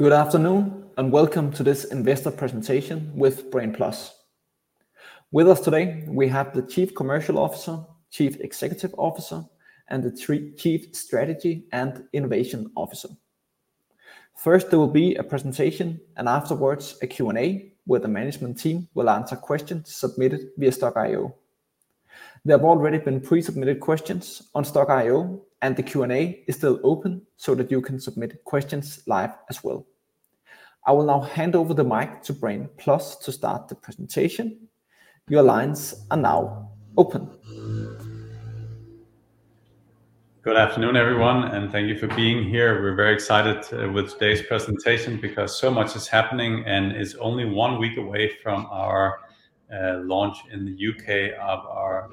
Good afternoon, and welcome to this investor presentation with Brain+. With us today, we have the Chief Commercial Officer, Chief Executive Officer, and the Chief Strategy and Innovation Officer. First, there will be a presentation, and afterwards, a Q&A, where the management team will answer questions submitted via Stokk.io. There have already been pre-submitted questions on Stokk.io, and the Q&A is still open, so that you can submit questions live as well. I will now hand over the mic to Brain+ to start the presentation. Your lines are now open. Good afternoon, everyone, and thank you for being here. We're very excited with today's presentation because so much is happening, and it's only one week away from our launch in the U.K. of our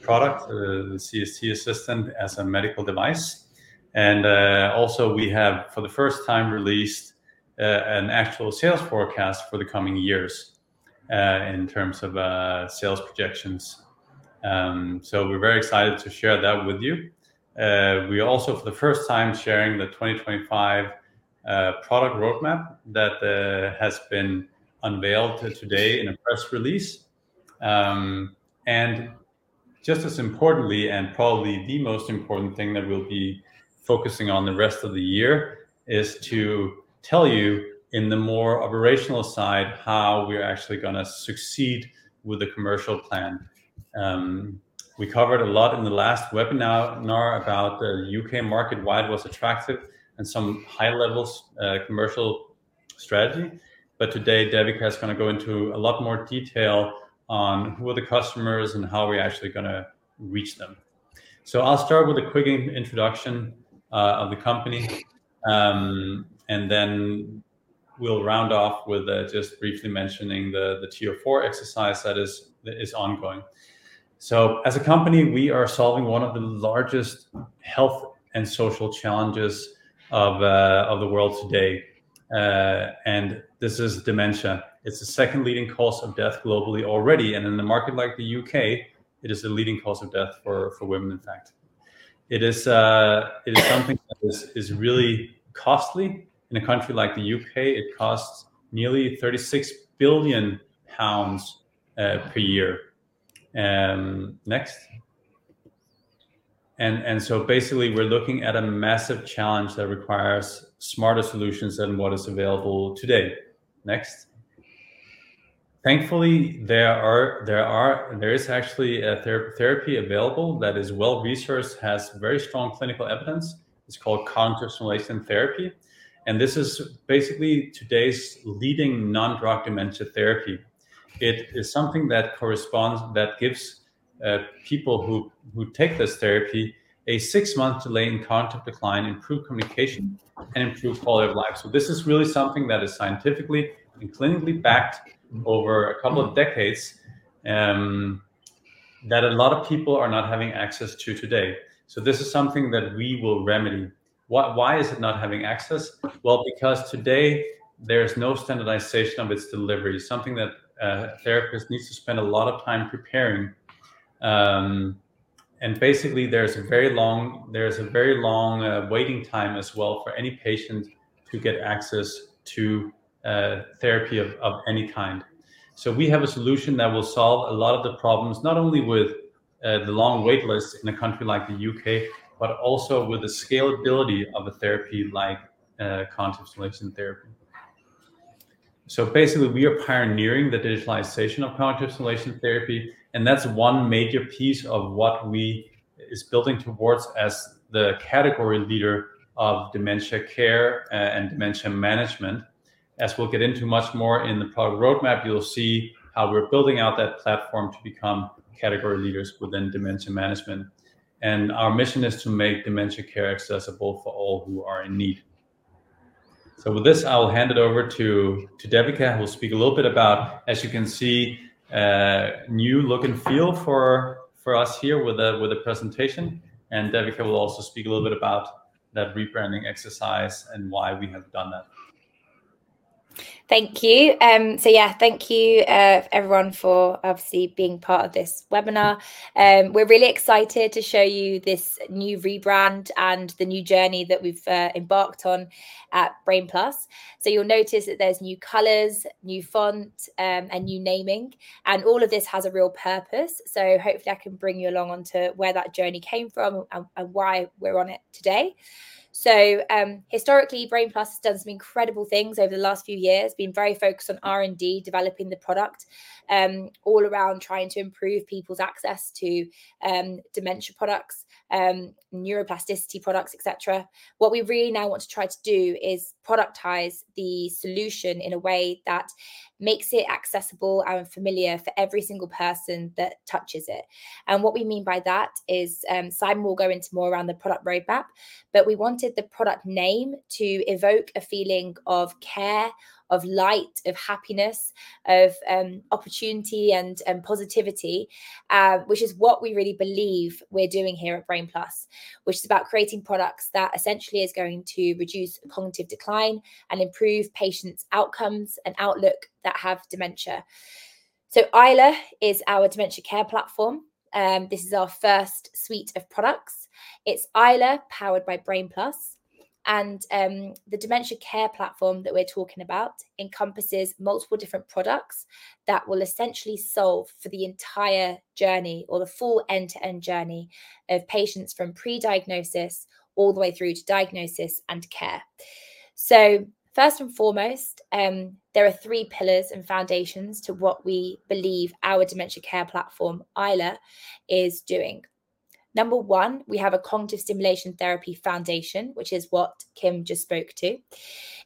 product, the CST Assistant, as a medical device, and also we have, for the first time, released an actual sales forecast for the coming years in terms of sales projections, so we're very excited to share that with you. We are also for the first time sharing the 2025 product roadmap that has been unveiled today in a press release, and just as importantly, and probably the most important thing that we'll be focusing on the rest of the year, is to tell you in the more operational side, how we're actually going to succeed with the commercial plan. We covered a lot in the last webinar about the U.K. market, why it was attractive, and some high levels, commercial strategy. But today, Devika is going to go into a lot more detail on who are the customers and how are we actually going to reach them. So I'll start with a quick introduction of the company, and then we'll round off with just briefly mentioning the TO4 exercise that is ongoing. So as a company, we are solving one of the largest health and social challenges of the world today, and this is dementia. It's the second leading cause of death globally already, and in a market like the U.K., it is the leading cause of death for women, in fact. It is something that is really costly. In a country like the U.K., it costs nearly 36 billion pounds per year. Basically, we're looking at a massive challenge that requires smarter solutions than what is available today. Thankfully, there is actually a therapy available that is well-resourced, has very strong clinical evidence. It's called cognitive stimulation therapy, and this is basically today's leading non-drug dementia therapy. It is something that corresponds, that gives people who take this therapy a six-month delay in cognitive decline, improved communication, and improved quality of life. This is really something that is scientifically and clinically backed over a couple of decades that a lot of people are not having access to today. This is something that we will remedy. Why is it not having access? Because today there's no standardization of its delivery, something that therapists needs to spend a lot of time preparing. And basically, there is a very long waiting time as well for any patient to get access to therapy of any kind. So we have a solution that will solve a lot of the problems, not only with the long wait list in a country like the U.K., but also with the scalability of a therapy like cognitive stimulation therapy. So basically, we are pioneering the digitalization of cognitive stimulation therapy, and that's one major piece of what we is building towards as the category leader of dementia care and dementia management. As we'll get into much more in the product roadmap, you'll see how we're building out that platform to become category leaders within dementia management. Our mission is to make dementia care accessible for all who are in need. With this, I will hand it over to Devika, who will speak a little bit about, as you can see, a new look and feel for us here with a presentation. Devika will also speak a little bit about that rebranding exercise and why we have done that. Thank you. So yeah, thank you, everyone for obviously being part of this webinar. We're really excited to show you this new rebrand and the new journey that we've embarked on at Brain+. So you'll notice that there's new colors, new font, and new naming, and all of this has a real purpose. So hopefully, I can bring you along onto where that journey came from and why we're on it today. So, historically, Brain+ has done some incredible things over the last few years, been very focused on R&D, developing the product, all around trying to improve people's access to, dementia products, neuroplasticity products, et cetera. What we really now want to try to do is productize the solution in a way that makes it accessible and familiar for every single person that touches it. And what we mean by that is, Simon will go into more around the product roadmap, but we wanted the product name to evoke a feeling of care, of light, of happiness, of opportunity and positivity, which is what we really believe we're doing here at Brain+, which is about creating products that essentially is going to reduce cognitive decline and improve patients' outcomes and outlook that have dementia. So Aila is our dementia care platform. This is our first suite of products. It's Aila, powered by Brain+, and the dementia care platform that we're talking about encompasses multiple different products that will essentially solve for the entire journey or the full end-to-end journey of patients from pre-diagnosis all the way through to diagnosis and care. So first and foremost, there are three pillars and foundations to what we believe our dementia care platform, Aila, is doing. Number one, we have a cognitive stimulation therapy foundation, which is what Kim just spoke to.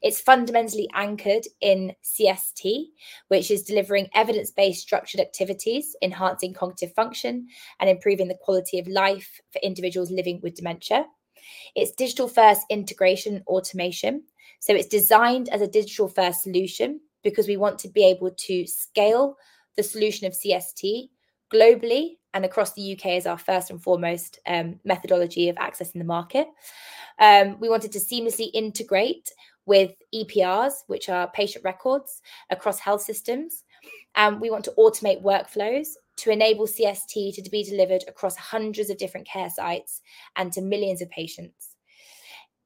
It's fundamentally anchored in CST, which is delivering evidence-based structured activities, enhancing cognitive function, and improving the quality of life for individuals living with dementia. It's digital-first integration automation, so it's designed as a digital-first solution because we want to be able to scale the solution of CST globally and across the U.K. as our first and foremost, methodology of accessing the market. We want it to seamlessly integrate with EPRs, which are patient records across health systems, and we want to automate workflows to enable CST to be delivered across hundreds of different care sites and to millions of patients.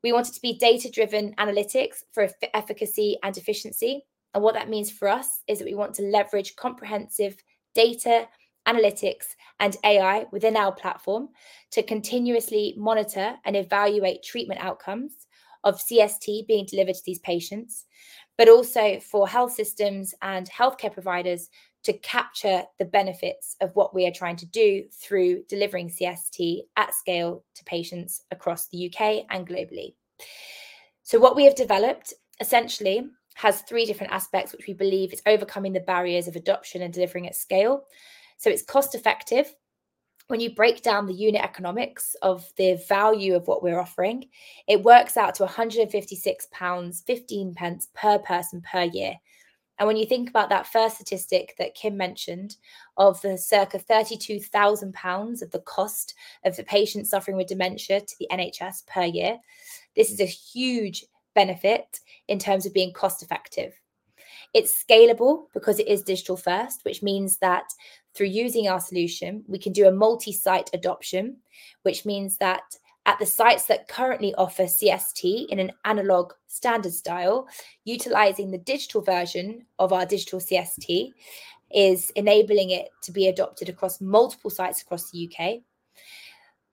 We want it to be data-driven analytics for efficacy and efficiency, and what that means for us is that we want to leverage comprehensive data, analytics, and AI within our platform to continuously monitor and evaluate treatment outcomes of CST being delivered to these patients, but also for health systems and healthcare providers to capture the benefits of what we are trying to do through delivering CST at scale to patients across the U.K. and globally. So what we have developed essentially has three different aspects which we believe is overcoming the barriers of adoption and delivering at scale. So it's cost-effective. When you break down the unit economics of the value of what we're offering, it works out to 156.15 pounds per person per year. When you think about that first statistic that Kim mentioned, of the circa 32,000 pounds of the cost of the patient suffering with dementia to the NHS per year, this is a huge benefit in terms of being cost-effective. It's scalable because it is digital first, which means that through using our solution, we can do a multi-site adoption. Which means that at the sites that currently offer CST in an analog standard style, utilizing the digital version of our digital CST is enabling it to be adopted across multiple sites across the U.K.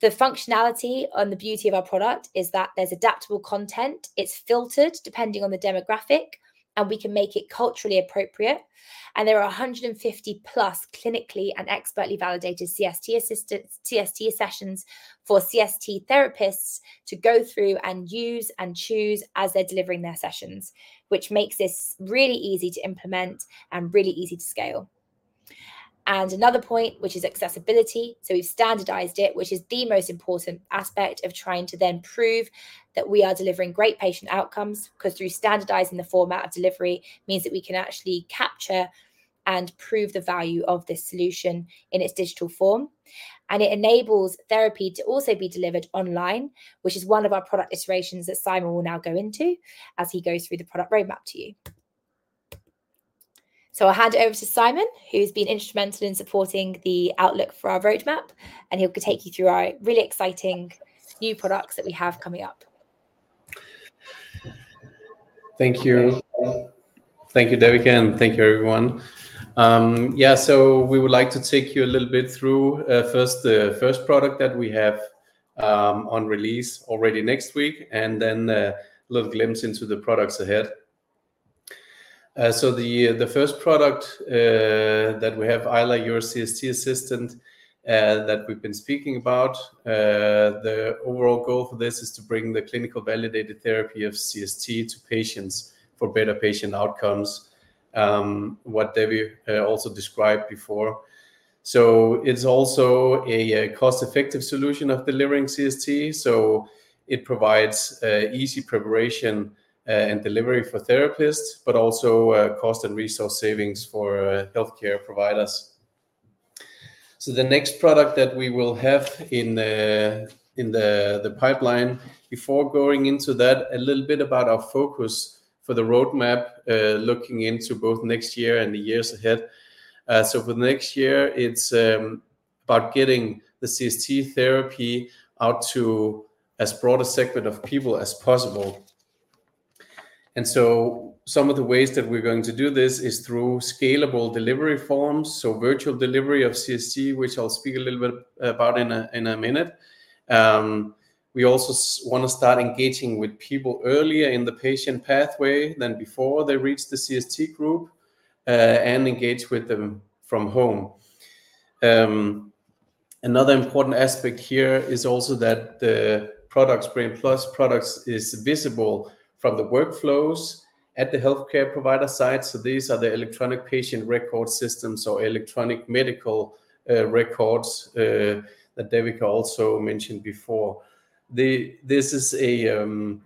The functionality and the beauty of our product is that there's adaptable content, it's filtered depending on the demographic, and we can make it culturally appropriate. And there are a hundred and fifty-plus clinically and expertly validated CST assistants, CST sessions for CST therapists to go through and use and choose as they're delivering their sessions, which makes this really easy to implement and really easy to scale. And another point, which is accessibility, so we've standardized it, which is the most important aspect of trying to then prove that we are delivering great patient outcomes. Because through standardizing the format of delivery, means that we can actually capture and prove the value of this solution in its digital form. And it enables therapy to also be delivered online, which is one of our product iterations that Simon will now go into as he goes through the product roadmap to you. So I'll hand it over to Simon, who's been instrumental in supporting the outlook for our roadmap, and he'll take you through our really exciting new products that we have coming up. Thank you. Thank you, Devika, and thank you, everyone. Yeah, so we would like to take you a little bit through, first, the first product that we have, on release already next week, and then a little glimpse into the products ahead. So the first product that we have, Aila, Your CST Assistant, that we've been speaking about, the overall goal for this is to bring the clinically validated therapy of CST to patients for better patient outcomes, what Devi also described before. So it's also a cost-effective solution of delivering CST, so it provides easy preparation and delivery for therapists, but also cost and resource savings for healthcare providers. So the next product that we will have in the pipeline... Before going into that, a little bit about our focus for the roadmap, looking into both next year and the years ahead. So for the next year, it's about getting the CST therapy out to as broad a segment of people as possible. And so some of the ways that we're going to do this is through scalable delivery forms, so virtual delivery of CST, which I'll speak a little bit about in a minute. We also wanna start engaging with people earlier in the patient pathway than before they reach the CST group, and engage with them from home. Another important aspect here is also that the products, Brain+ products, is visible from the workflows at the healthcare provider site. So these are the Electronic Patient Record systems or electronic medical records that Devika also mentioned before. This is a,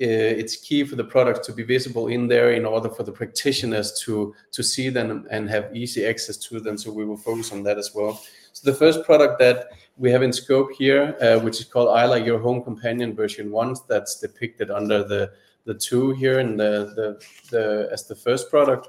it's key for the product to be visible in there in order for the practitioners to see them and have easy access to them, so we will focus on that as well. So the first product that we have in scope here, which is called Aila: Your Home Companion, version one, that's depicted under the two here in the as the first product.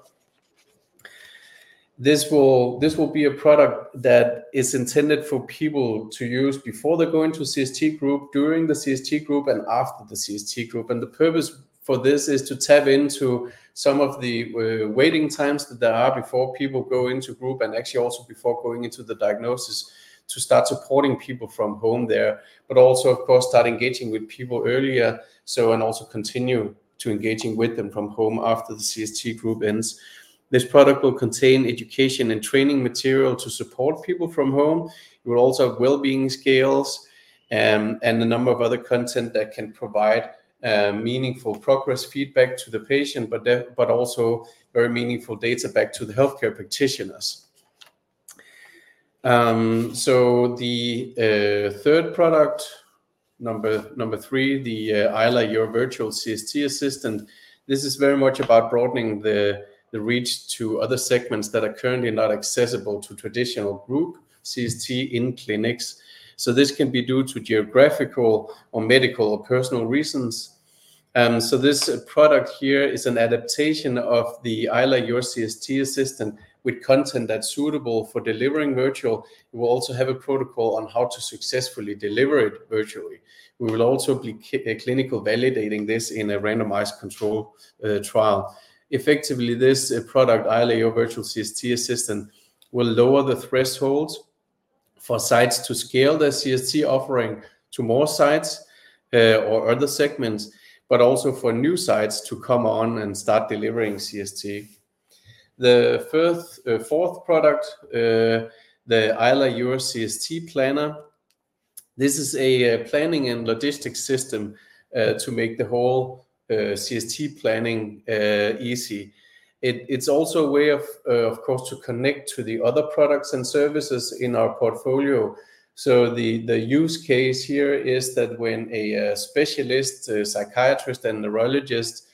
This will be a product that is intended for people to use before they go into a CST group, during the CST group, and after the CST group. And the purpose for this is to tap into some of the waiting times that there are before people go into group, and actually also before going into the diagnosis, to start supporting people from home there. But also, of course, start engaging with people earlier, so, and also continue to engaging with them from home after the CST group ends. This product will contain education and training material to support people from home. It will also have wellbeing scales, and a number of other content that can provide meaningful progress feedback to the patient, but also very meaningful data back to the healthcare practitioners. So the third product, number three, the Aila, Your Virtual CST Assistant, this is very much about broadening the reach to other segments that are currently not accessible to traditional group CST in clinics. So this can be due to geographical or medical or personal reasons. So this product here is an adaptation of the Aila, Your CST Assistant, with content that's suitable for delivering virtual. We will also have a protocol on how to successfully deliver it virtually. We will also be clinical validating this in a randomized control trial. Effectively, this product, Aila: Your Virtual CST Assistant, will lower the thresholds for sites to scale their CST offering to more sites, or other segments, but also for new sites to come on and start delivering CST. The third, fourth product, the Aila: Your CST Planner, this is a planning and logistics system to make the whole CST planning easy. It's also a way of, of course, to connect to the other products and services in our portfolio. So the use case here is that when a specialist, a psychiatrist and neurologist,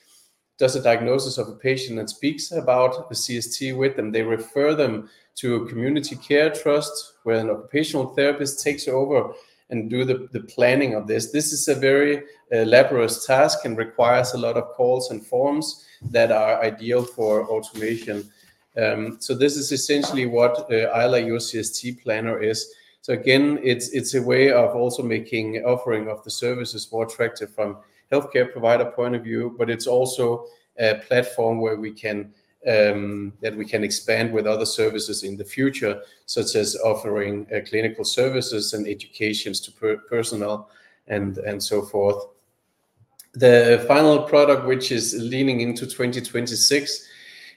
does a diagnosis of a patient and speaks about the CST with them, they refer them to a community care trust, where an occupational therapist takes over and do the planning of this. This is a very laborious task and requires a lot of calls and forms that are ideal for automation. So this is essentially what the Aila, Your CST Planner is. So again, it's a way of also making offering of the services more attractive from healthcare provider point of view, but it's also a platform where we can expand with other services in the future, such as offering clinical services and educations to personnel and so forth. The final product, which is leaning into 2026,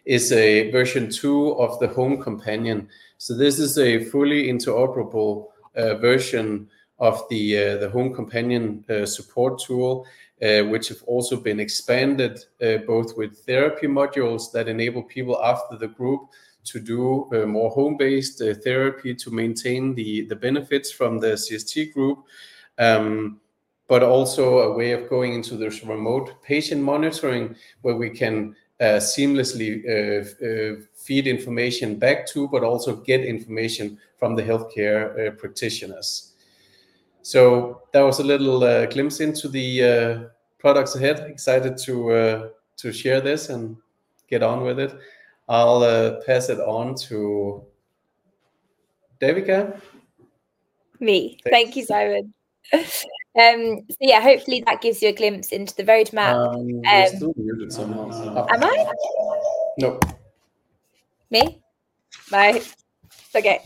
is a version two of the Home Companion, so this is a fully interoperable version of the Home Companion support tool, which have also been expanded both with therapy modules that enable people after the group to do more home-based therapy to maintain the benefits from the CST group, but also a way of going into this remote patient monitoring, where we can seamlessly feed information back to but also get information from the healthcare practitioners, so that was a little glimpse into the products ahead. Excited to share this and get on with it. I'll pass it on to Devika. Me. Thanks. Thank you, Simon. So yeah, hopefully that gives you a glimpse into the roadmap. You're still muted somehow. Am I? Nope. Me? Right. Okay.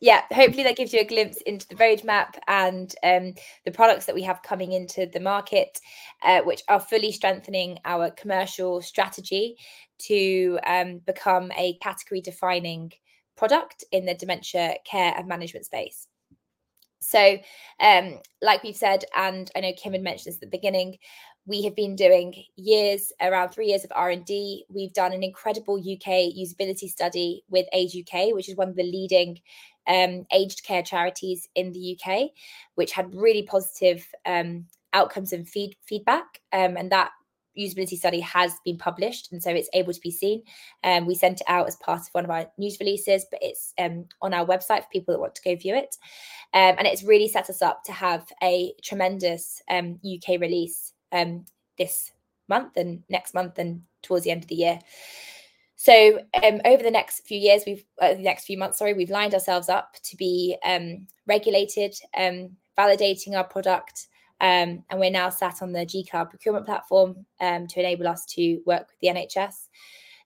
Yeah, hopefully that gives you a glimpse into the roadmap and the products that we have coming into the market, which are fully strengthening our commercial strategy to become a category-defining product in the dementia care and management space. Like we've said, and I know Kim had mentioned this at the beginning, we have been doing years, around three years of R&D. We've done an incredible U.K. usability study with Age U.K., which is one of the leading aged care charities in the U.K., which had really positive outcomes and feedback, and that usability study has been published, and so it's able to be seen. We sent it out as part of one of our news releases, but it's on our website for people that want to go view it. And it's really set us up to have a tremendous U.K. release this month and next month, and towards the end of the year. So over the next few months, sorry, we've lined ourselves up to be regulated, validating our product. And we're now sat on the G-Cloud procurement platform to enable us to work with the NHS.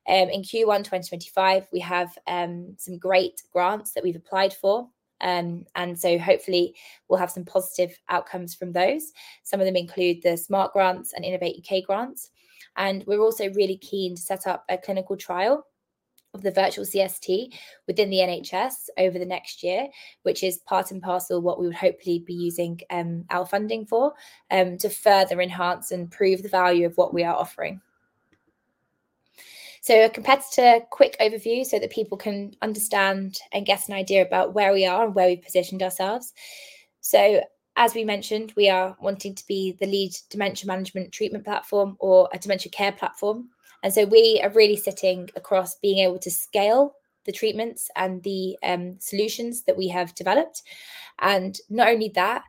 In Q1, 2025, we have some great grants that we've applied for, and so hopefully we'll have some positive outcomes from those. Some of them include the Smart Grants and Innovate U.K. grants, and we're also really keen to set up a clinical trial of the virtual CST within the NHS over the next year, which is part and parcel of what we would hopefully be using our funding for to further enhance and prove the value of what we are offering. A competitive quick overview so that people can understand and get an idea about where we are and where we've positioned ourselves. As we mentioned, we are wanting to be the leading dementia management treatment platform or a dementia care platform and so we are really sitting across being able to scale the treatments and the solutions that we have developed. And not only that,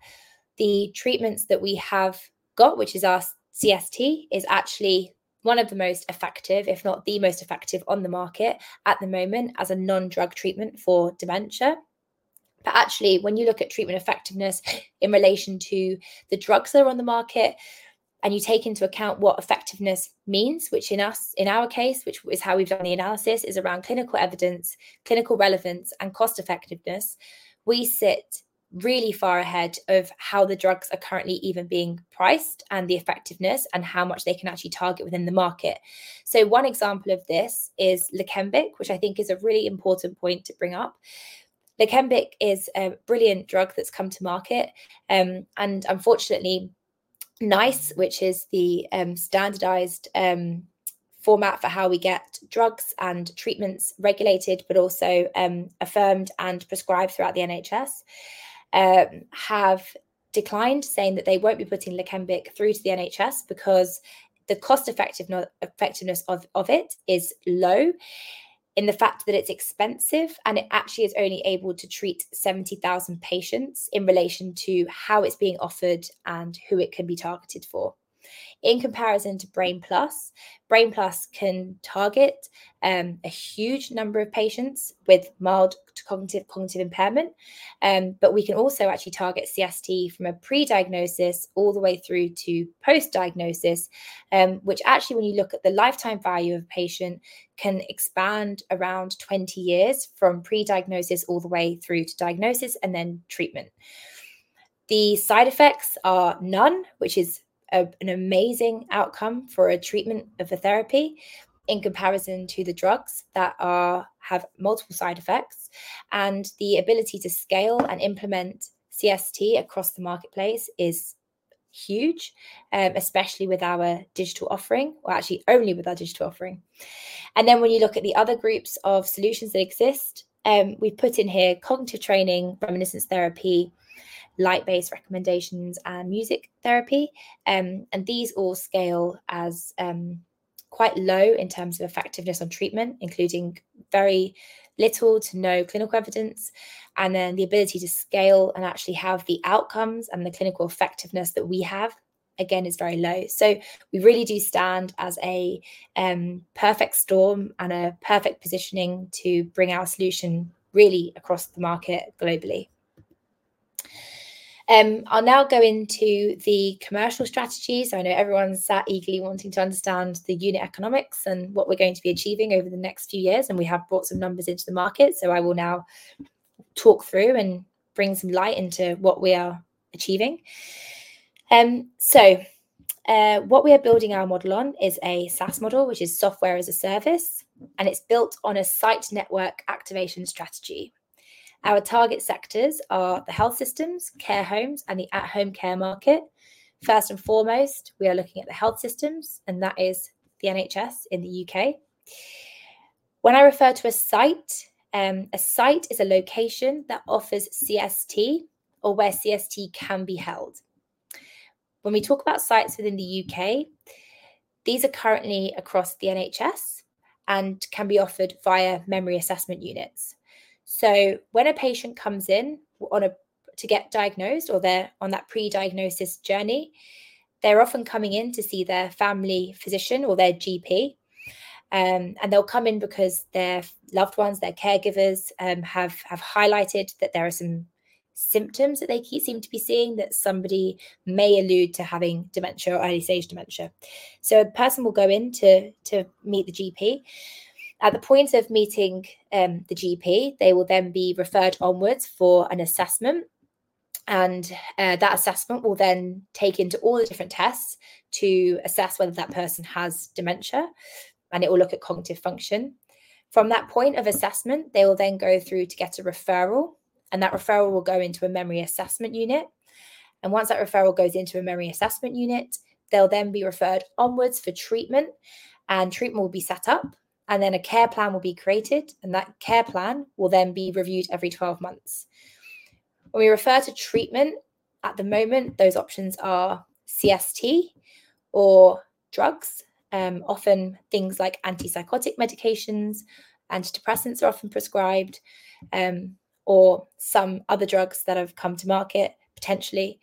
the treatments that we have got, which is our CST, is actually one of the most effective, if not the most effective, on the market at the moment as a non-drug treatment for dementia. But actually, when you look at treatment effectiveness in relation to the drugs that are on the market, and you take into account what effectiveness means, which in our case, which is how we've done the analysis, is around clinical evidence, clinical relevance, and cost-effectiveness, we sit really far ahead of how the drugs are currently even being priced, and the effectiveness, and how much they can actually target within the market. So one example of this is Leqembi, which I think is a really important point to bring up. Leqembi is a brilliant drug that's come to market. And unfortunately, NICE, which is the standardized format for how we get drugs and treatments regulated, but also affirmed and prescribed throughout the NHS, have declined, saying that they won't be putting Leqembi through to the NHS because the cost-effectiveness of it is low, in the fact that it's expensive, and it actually is only able to treat seventy thousand patients in relation to how it's being offered and who it can be targeted for. In comparison to Brain+, Brain+ can target a huge number of patients with mild cognitive impairment. But we can also actually target CST from a pre-diagnosis all the way through to post-diagnosis, which actually, when you look at the lifetime value of a patient, can expand around 20 years from pre-diagnosis all the way through to diagnosis and then treatment. The side effects are none, which is an amazing outcome for a treatment of a therapy, in comparison to the drugs that have multiple side effects, and the ability to scale and implement CST across the marketplace is huge, especially with our digital offering, or actually only with our digital offering, and then, when you look at the other groups of solutions that exist, we've put in here cognitive training, reminiscence therapy, light-based recommendations, and music therapy, and these all scale as quite low in terms of effectiveness on treatment, including very little to no clinical evidence, and then the ability to scale and actually have the outcomes and the clinical effectiveness that we have, again, is very low, so we really do stand as a perfect storm and a perfect positioning to bring our solution really across the market globally. I'll now go into the commercial strategy, so I know everyone's sat eagerly wanting to understand the unit economics and what we're going to be achieving over the next few years, and we have brought some numbers into the market, so I will now talk through and bring some light into what we are achieving. So, what we are building our model on is a SaaS model, which is software as a service, and it's built on a site network activation strategy. Our target sectors are the health systems, care homes, and the at-home care market. First and foremost, we are looking at the health systems, and that is the NHS in the U.K. When I refer to a site, a site is a location that offers CST or where CST can be held. When we talk about sites within the U.K., these are currently across the NHS and can be offered via memory assessment units. So when a patient comes in to get diagnosed or they're on that pre-diagnosis journey, they're often coming in to see their family physician or their GP. And they'll come in because their loved ones, their caregivers, have highlighted that there are some symptoms that they seem to be seeing that somebody may allude to having dementia or early-stage dementia. So a person will go in to meet the GP. At the point of meeting the GP, they will then be referred onwards for an assessment, and that assessment will then take into all the different tests to assess whether that person has dementia, and it will look at cognitive function. From that point of assessment, they will then go through to get a referral, and that referral will go into a Memory Assessment Unit. And once that referral goes into a Memory Assessment Unit, they'll then be referred onwards for treatment, and treatment will be set up, and then a care plan will be created, and that care plan will then be reviewed every 12 months. When we refer to treatment, at the moment, those options are CST or drugs. Often things like antipsychotic medications, antidepressants are often prescribed, or some other drugs that have come to market, potentially.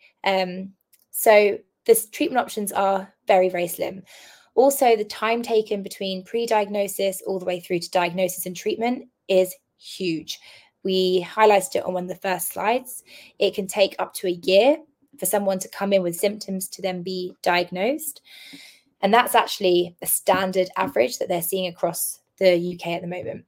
So the treatment options are very, very slim. Also, the time taken between pre-diagnosis all the way through to diagnosis and treatment is huge. We highlighted it on one of the first slides. It can take up to a year for someone to come in with symptoms to then be diagnosed, and that's actually a standard average that they're seeing across the U.K. at the moment.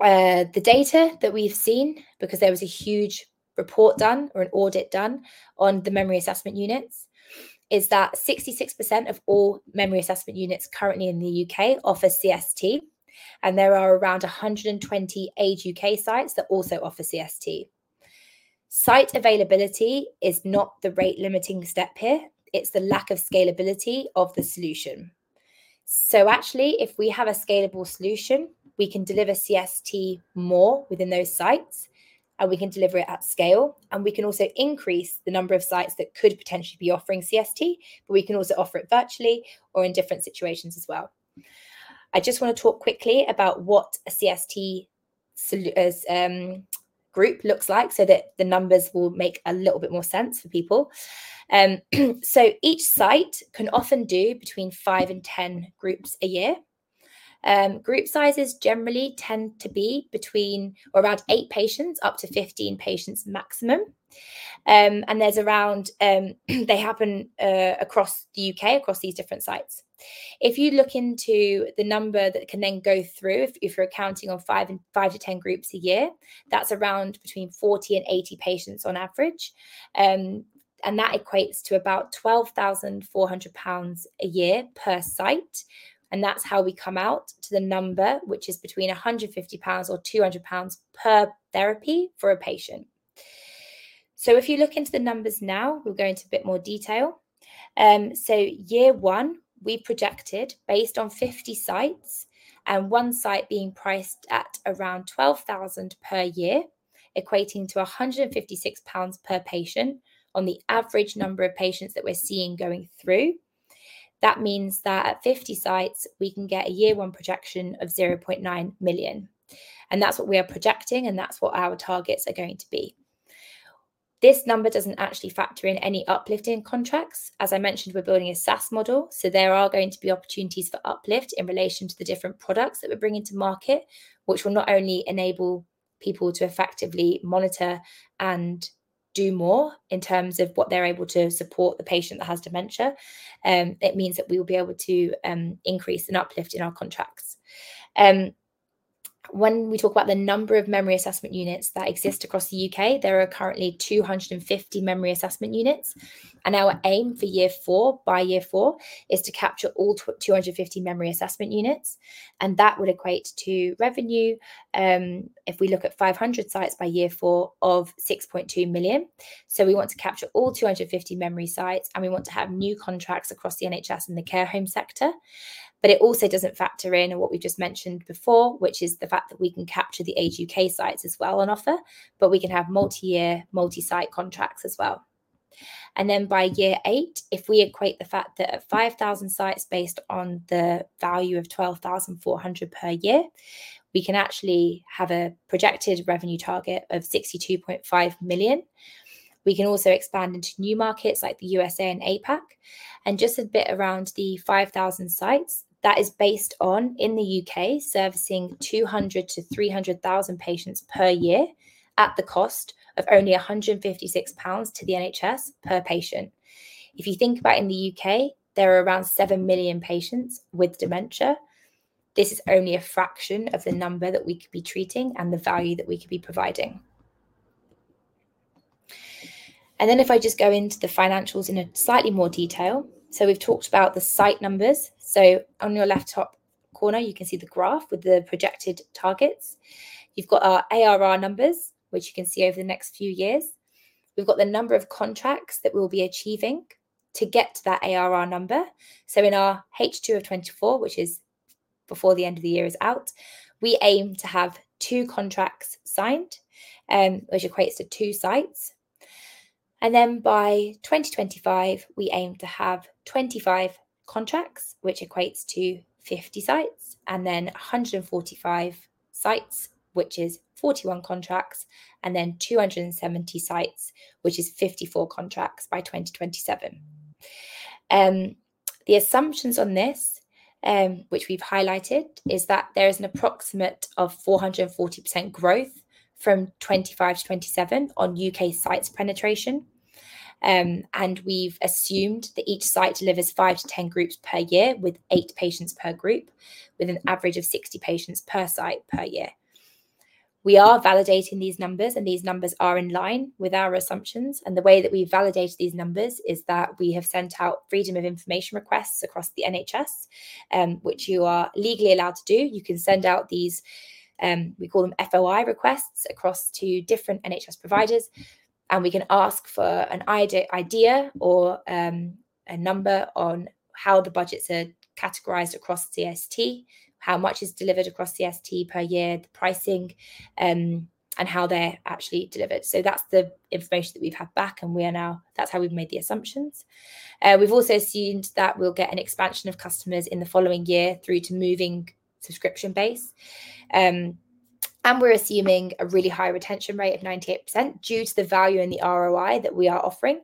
The data that we've seen, because there was a huge report done or an audit done on the memory assessment units, is that 66% of all memory assessment units currently in the U.K. offer CST, and there are around 120 Age U.K. sites that also offer CST. Site availability is not the rate-limiting step here. It's the lack of scalability of the solution. So actually, if we have a scalable solution, we can deliver CST more within those sites, and we can deliver it at scale, and we can also increase the number of sites that could potentially be offering CST, but we can also offer it virtually or in different situations as well. I just wanna talk quickly about what a CST solution as a group looks like, so that the numbers will make a little bit more sense for people. So each site can often do between five and 10 groups a year. Group sizes generally tend to be between or around eight patients, up to 15 patients maximum. And they happen across the U.K., across these different sites. If you look into the number that can then go through, if you're counting on five-10 groups a year, that's around between 40 and 80 patients on average, and that equates to about 12,400 pounds a year per site, and that's how we come out to the number, which is between 150 pounds or 200 pounds per therapy for a patient, so if you look into the numbers now, we'll go into a bit more detail, so year one, we projected, based on 50 sites and one site being priced at around 12,000 per year, equating to 156 pounds per patient on the average number of patients that we're seeing going through. That means that at fifty sites, we can get a year one projection of 0.9 million, and that's what we are projecting, and that's what our targets are going to be. This number doesn't actually factor in any uplift in contracts. As I mentioned, we're building a SaaS model, so there are going to be opportunities for uplift in relation to the different products that we're bringing to market, which will not only enable people to effectively monitor and do more in terms of what they're able to support the patient that has dementia, it means that we will be able to increase and uplift in our contracts. When we talk about the number of memory assessment units that exist across the U.K., there are currently two hundred and fifty memory assessment units, and our aim for year four, by year four, is to capture all two hundred and fifty memory assessment units, and that would equate to revenue, if we look at five hundred sites by year four of 6.2 million. So we want to capture all two hundred and fifty memory sites, and we want to have new contracts across the NHS and the care home sector. But it also doesn't factor in on what we just mentioned before, which is the fact that we can capture the Age U.K. sites as well on offer, but we can have multi-year, multi-site contracts as well. Then by year eight, if we equate the fact that at 5,000 sites, based on the value of 12,400 per year, we can actually have a projected revenue target of 62.5 million. We can also expand into new markets like the U.S.A and APAC. Just a bit around the 5,000 sites, that is based on, in the U.K., servicing 200,000-300,000 patients per year at the cost of only 156 pounds to the NHS per patient. If you think about in the U.K., there are around 7 million patients with dementia. This is only a fraction of the number that we could be treating and the value that we could be providing. Then if I just go into the financials in a slightly more detail. So we've talked about the site numbers. So on your left top corner, you can see the graph with the projected targets. You've got our ARR numbers, which you can see over the next few years. We've got the number of contracts that we'll be achieving to get to that ARR number. So in our H2 of 2024, which is before the end of the year is out, we aim to have two contracts signed, which equates to two sites. And then by 2025, we aim to have 25 contracts, which equates to 50 sites, and then 145 sites, which is 41 contracts, and then 270 sites, which is 54 contracts by 2027. The assumptions on this, which we've highlighted, is that there is an approximate of 440% growth from 2025-2027 on U.K. sites penetration. And we've assumed that each site delivers five to 10 groups per year, with eight patients per group, with an average of 60 patients per site per year. We are validating these numbers, and these numbers are in line with our assumptions, and the way that we validate these numbers is that we have sent out Freedom of Information requests across the NHS, which you are legally allowed to do. You can send out these, we call them FOI requests, across to different NHS providers, and we can ask for an idea or a number on how the budgets are categorized across CST, how much is delivered across CST per year, the pricing, and how they're actually delivered. So that's the information that we've had back, and that's how we've made the assumptions. We've also assumed that we'll get an expansion of customers in the following year through to moving subscription base. And we're assuming a really high retention rate of 98% due to the value and the ROI that we are offering.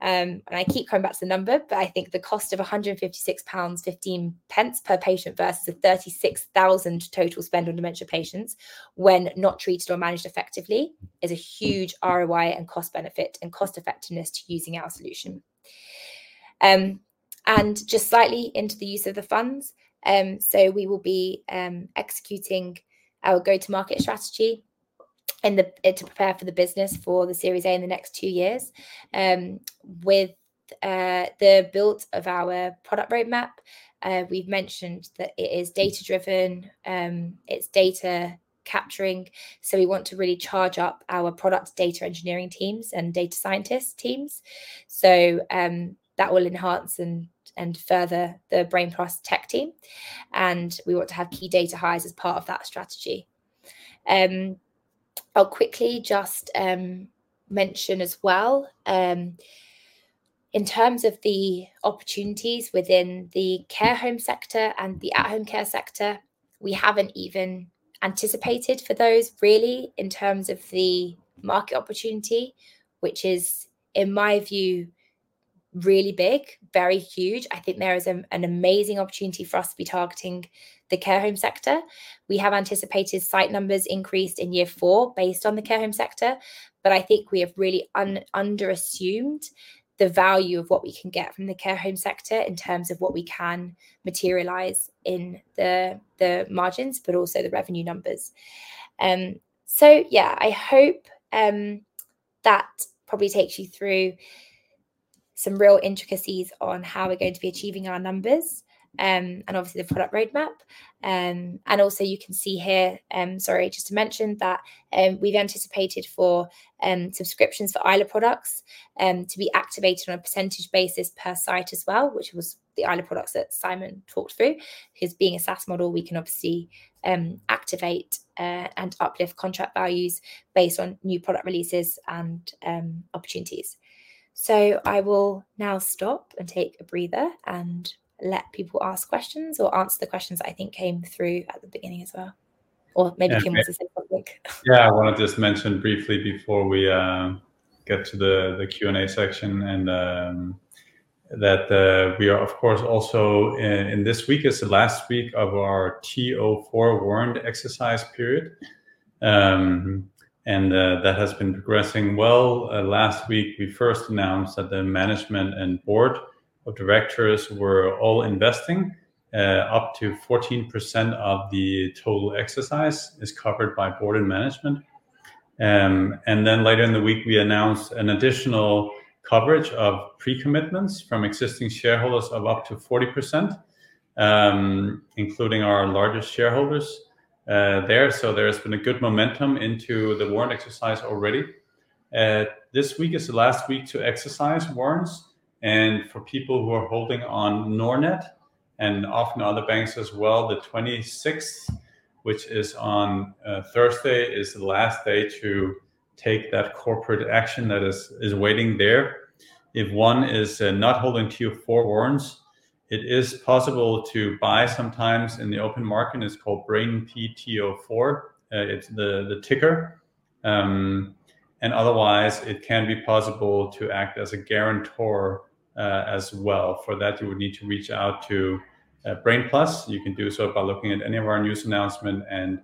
And I keep coming back to the number, but I think the cost of 156.15 pounds per patient versus a 36,000 total spend on dementia patients when not treated or managed effectively is a huge ROI and cost benefit and cost effectiveness to using our solution. And just slightly into the use of the funds. So we will be executing our go-to-market strategy and to prepare for the business for the Series A in the next two years. With the build of our product roadmap, we've mentioned that it is data-driven, it's data capturing, so we want to really charge up our product data engineering teams and data scientist teams. So, that will enhance and further the Brain+ tech team, and we want to have key data hires as part of that strategy. I'll quickly just mention as well in terms of the opportunities within the care home sector and the at-home care sector, we haven't even anticipated for those really, in terms of the market opportunity, which is, in my view, really big, very huge. I think there is an amazing opportunity for us to be targeting the care home sector. We have anticipated site numbers increased in year four based on the care home sector, but I think we have really under assumed the value of what we can get from the care home sector in terms of what we can materialize in the margins, but also the revenue numbers, so yeah, I hope that probably takes you through some real intricacies on how we're going to be achieving our numbers, and obviously the product roadmap, and also you can see here. Sorry, just to mention that, we've anticipated for subscriptions for Aila products to be activated on a percentage basis per site as well, which was the Aila products that Simon talked through. Because being a SaaS model, we can obviously activate and uplift contract values based on new product releases and opportunities. So, I will now stop and take a breather and let people ask questions or answer the questions that I think came through at the beginning as well, or maybe Kim wants to say something. Yeah, I want to just mention briefly before we get to the Q&A section, and that we are, of course, also in this week, is the last week of our TO4 warrant exercise period. That has been progressing well. Last week, we first announced that the management and board of directors were all investing. Up to 14% of the total exercise is covered by board and management. And then later in the week, we announced an additional coverage of pre-commitments from existing shareholders of up to 40%, including our largest shareholders there. So there has been a good momentum into the warrant exercise already. This week is the last week to exercise warrants, and for people who are holding on Nordnet and often other banks as well, the 26th, which is on Thursday, is the last day to take that corporate action that is waiting there. If one is not holding TO4 warrants, it is possible to buy sometimes in the open market. It's called Brain+ TO4. It's the ticker. And otherwise, it can be possible to act as a guarantor as well. For that, you would need to reach out to Brain+. You can do so by looking at any of our news announcement and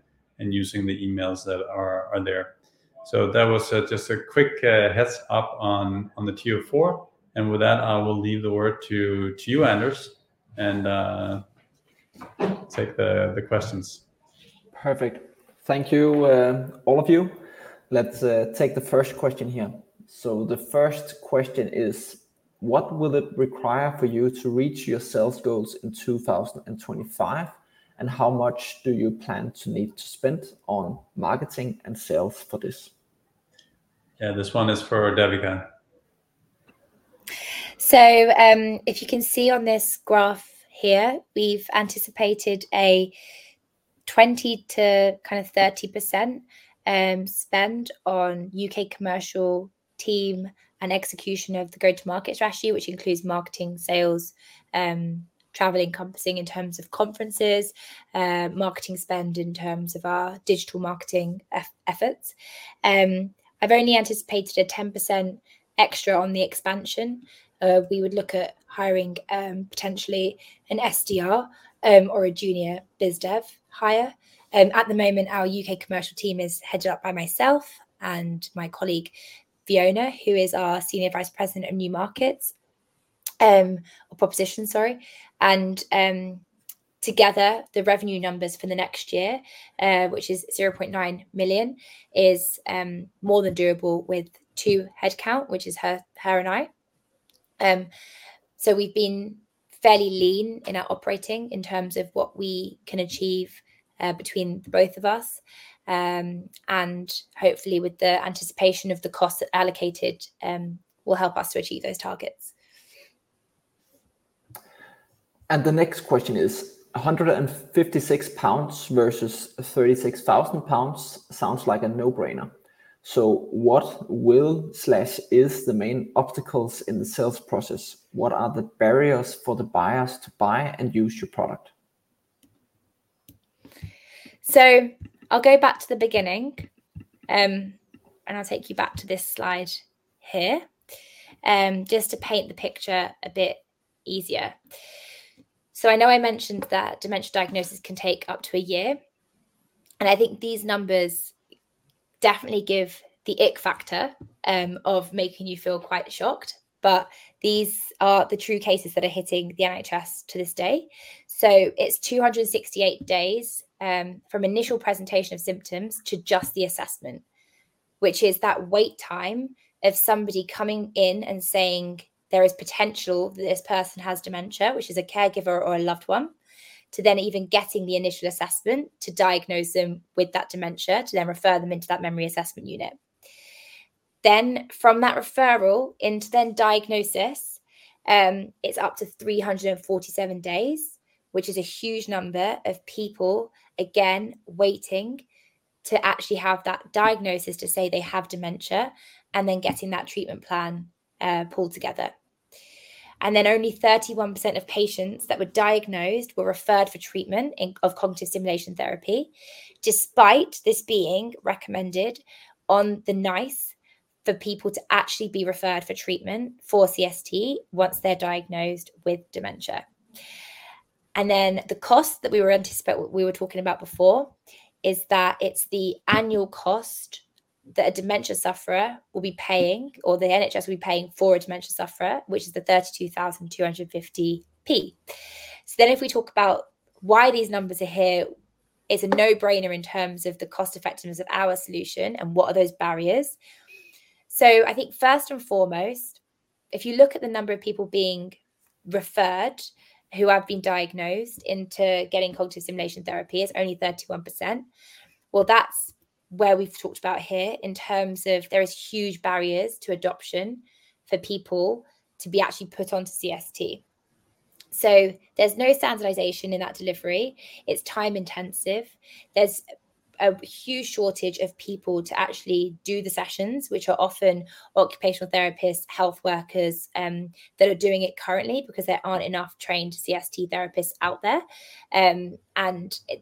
using the emails that are there. So that was just a quick heads-up on the TO4. And with that, I will leave the word to you, Anders, and take the questions. Perfect. Thank you, all of you. Let's take the first question here. So the first question is: What will it require for you to reach your sales goals in 2025, and how much do you plan to need to spend on marketing and sales for this? Yeah, this one is for Devika. If you can see on this graph here, we've anticipated a 20% to kind of 30% spend on U.K. commercial team and execution of the go-to-market strategy, which includes marketing, sales, travel, encompassing in terms of conferences, marketing spend in terms of our digital marketing efforts. I've only anticipated a 10% extra on the expansion. We would look at hiring potentially an SDR or a junior biz dev hire. At the moment, our U.K. commercial team is headed up by myself and my colleague, Fiona, who is our Senior Vice President of New Markets or proposition, sorry. Together, the revenue numbers for the next year, which is 0.9 million, is more than doable with two headcount, which is her and I. So we've been fairly lean in our operating in terms of what we can achieve between the both of us, and hopefully, with the anticipation of the costs allocated, will help us to achieve those targets. The next question is: 156 pounds versus 36,000 pounds sounds like a no-brainer. What will be the main obstacles in the sales process? What are the barriers for the buyers to buy and use your product? I'll go back to the beginning, and I'll take you back to this slide here, just to paint the picture a bit easier. I know I mentioned that dementia diagnosis can take up to a year, and I think these numbers definitely give the ick factor of making you feel quite shocked, but these are the true cases that are hitting the NHS to this day. It's two hundred and sixty-eight days from initial presentation of symptoms to just the assessment, which is that wait time of somebody coming in and saying there is potential that this person has dementia, which is a caregiver or a loved one, to then even getting the initial assessment to diagnose them with that dementia, to then refer them into that Memory Assessment Unit. Then from that referral into then diagnosis... It's up to three hundred and forty-seven days, which is a huge number of people, again, waiting to actually have that diagnosis to say they have dementia and then getting that treatment plan pulled together. And then only 31% of patients that were diagnosed were referred for treatment of cognitive stimulation therapy, despite this being recommended on the NICE for people to actually be referred for treatment for CST once they're diagnosed with dementia. And then the cost that we were talking about before is that it's the annual cost that a dementia sufferer will be paying, or the NHS will be paying for a dementia sufferer, which is 32,250. So then if we talk about why these numbers are here, it's a no-brainer in terms of the cost-effectiveness of our solution and what are those barriers. I think first and foremost, if you look at the number of people being referred, who have been diagnosed, into getting cognitive stimulation therapy, it's only 31%. That's where we've talked about here in terms of there is huge barriers to adoption for people to be actually put onto CST. There's no standardization in that delivery. It's time-intensive. There's a huge shortage of people to actually do the sessions, which are often occupational therapists, health workers, that are doing it currently because there aren't enough trained CST therapists out there. And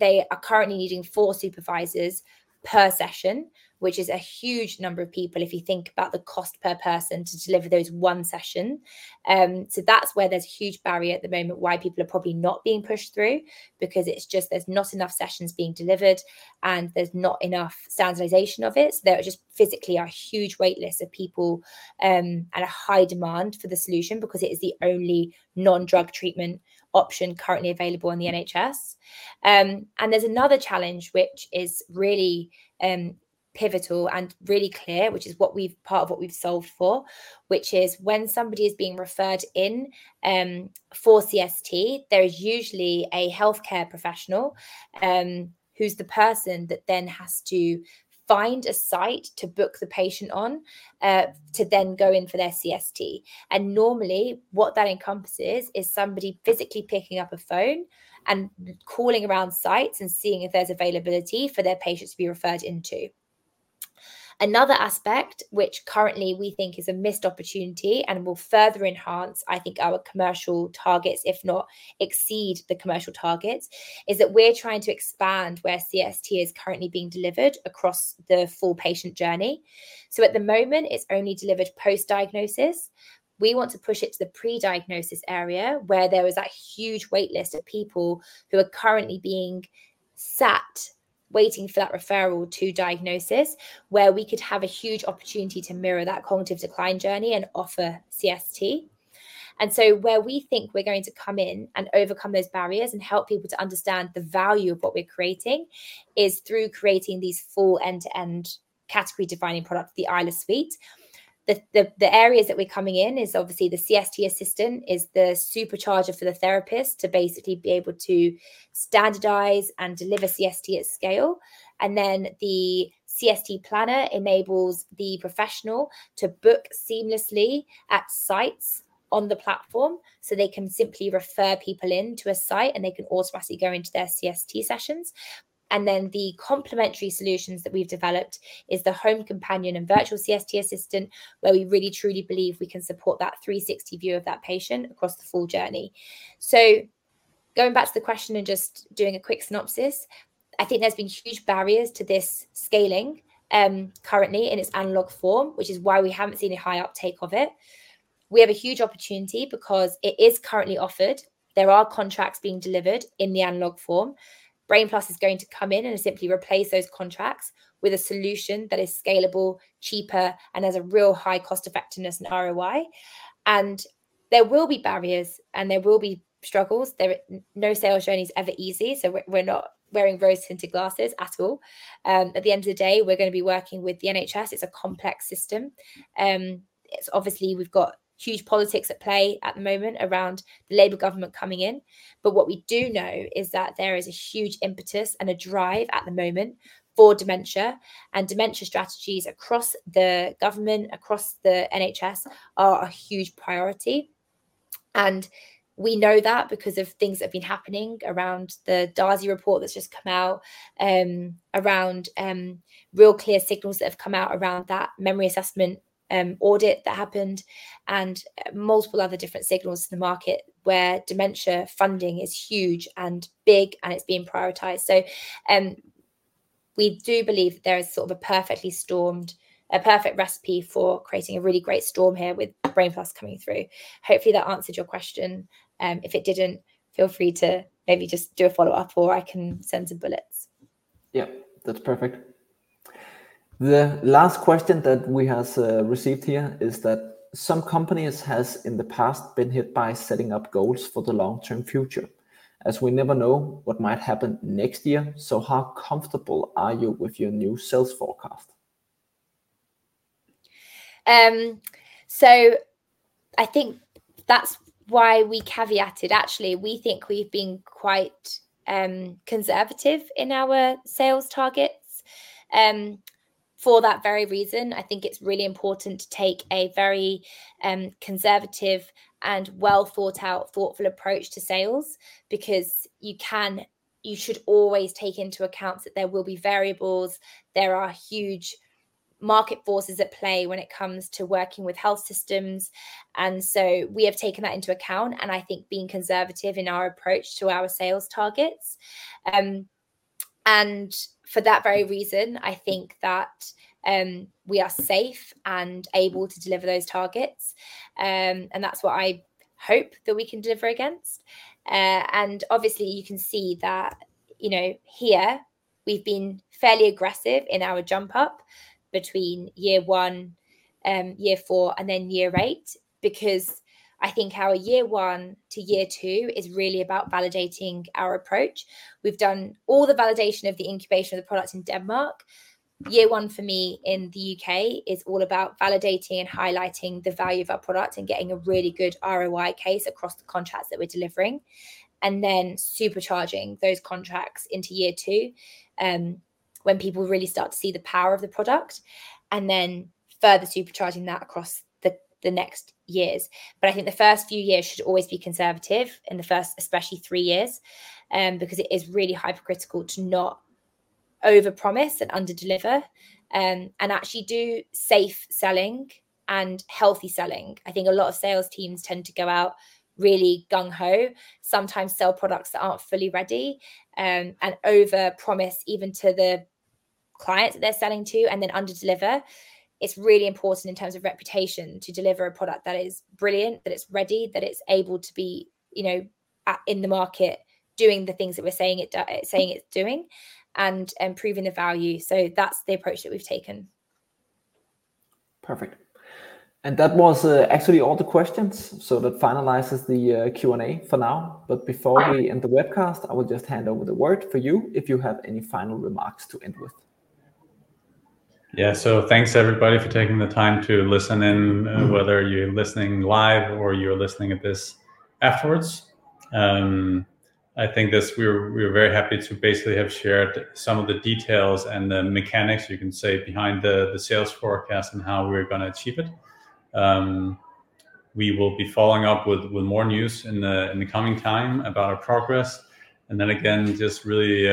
they are currently needing four supervisors per session, which is a huge number of people if you think about the cost per person to deliver those one session. So that's where there's a huge barrier at the moment, why people are probably not being pushed through, because it's just there's not enough sessions being delivered, and there's not enough standardization of it. There are just physically a huge wait list of people, and a high demand for the solution because it is the only non-drug treatment option currently available on the NHS. And there's another challenge, which is really pivotal and really clear, which is what we've... part of what we've solved for, which is when somebody is being referred in, for CST, there is usually a healthcare professional, who's the person that then has to find a site to book the patient on, to then go in for their CST. And normally, what that encompasses is somebody physically picking up a phone and calling around sites and seeing if there's availability for their patients to be referred into. Another aspect, which currently we think is a missed opportunity and will further enhance, I think, our commercial targets, if not exceed the commercial targets, is that we're trying to expand where CST is currently being delivered across the full patient journey. So at the moment, it's only delivered post-diagnosis. We want to push it to the pre-diagnosis area, where there is a huge wait list of people who are currently being sat, waiting for that referral to diagnosis, where we could have a huge opportunity to mirror that cognitive decline journey and offer CST. And so where we think we're going to come in and overcome those barriers and help people to understand the value of what we're creating is through creating these full end-to-end category-defining products, the Aila Suite. The areas that we're coming in is obviously the CST Assistant is the supercharger for the therapist to basically be able to standardize and deliver CST at scale. And then the CST Planner enables the professional to book seamlessly at sites on the platform, so they can simply refer people in to a site, and they can automatically go into their CST sessions. And then the complementary solutions that we've developed is the Home Companion and Virtual CST Assistant, where we really, truly believe we can support that 360 view of that patient across the full journey. Going back to the question and just doing a quick synopsis, I think there's been huge barriers to this scaling, currently in its analog form, which is why we haven't seen a high uptake of it. We have a huge opportunity because it is currently offered. There are contracts being delivered in the analog form. Brain+ is going to come in and simply replace those contracts with a solution that is scalable, cheaper, and has a real high cost-effectiveness and ROI. There will be barriers, and there will be struggles. No sales journey is ever easy, so we're not wearing rose-tinted glasses at all. At the end of the day, we're gonna be working with the NHS. It's a complex system. It's obviously we've got huge politics at play at the moment around the Labour government coming in. But what we do know is that there is a huge impetus and a drive at the moment for dementia, and dementia strategies across the government, across the NHS, are a huge priority. And we know that because of things that have been happening around the Darzi report that's just come out, around real clear signals that have come out around that memory assessment audit that happened, and multiple other different signals to the market, where dementia funding is huge and big, and it's being prioritized. We do believe there is sort of a perfect recipe for creating a really great storm here with Brain+ coming through. Hopefully, that answered your question. If it didn't, feel free to maybe just do a follow-up, or I can send some bullets. Yep, that's perfect. The last question that we has received here is that some companies has in the past been hit by setting up goals for the long-term future, as we never know what might happen next year. So how comfortable are you with your new sales forecast? I think that's why we caveated. Actually, we think we've been quite conservative in our sales targets. For that very reason, I think it's really important to take a very conservative and well-thought-out, thoughtful approach to sales, because you should always take into account that there will be variables. There are huge market forces at play when it comes to working with health systems, and so we have taken that into account, and I think being conservative in our approach to our sales targets. And for that very reason, I think that we are safe and able to deliver those targets. And that's what I hope that we can deliver against. And obviously, you can see that, you know, here we've been fairly aggressive in our jump up between year one, year four, and then year eight, because I think our year one to year two is really about validating our approach. We've done all the validation of the incubation of the product in Denmark. Year one for me in the U.K. is all about validating and highlighting the value of our product and getting a really good ROI case across the contracts that we're delivering, and then supercharging those contracts into year two, when people really start to see the power of the product, and then further supercharging that across the next years. I think the first few years should always be conservative, in the first, especially three years, because it is really critical to not overpromise and underdeliver, and actually do safe selling and healthy selling. I think a lot of sales teams tend to go out really gung-ho, sometimes sell products that aren't fully ready, and overpromise even to the clients that they're selling to and then underdeliver. It's really important in terms of reputation to deliver a product that is brilliant, that it's ready, that it's able to be, you know, in the market doing the things that we're saying it's doing, and proving the value. That's the approach that we've taken. Perfect. And that was actually all the questions, so that finalizes the Q&A for now. But before we end the webcast, I will just hand over the word for you if you have any final remarks to end with. Yeah. So thanks, everybody, for taking the time to listen in, whether you're listening live or you're listening to this afterwards. I think we're very happy to basically have shared some of the details and the mechanics, you can say, behind the sales forecast and how we're gonna achieve it. We will be following up with more news in the coming time about our progress, and then again, just really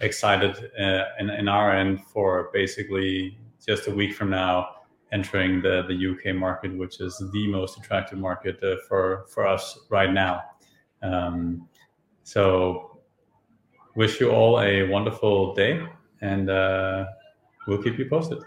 excited on our end for basically just a week from now entering the U.K. market, which is the most attractive market for us right now. Wish you all a wonderful day, and we'll keep you posted.